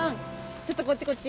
ちょっとこっちこっち！